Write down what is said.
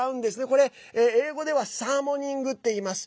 これ、英語ではサーモニングっていいます。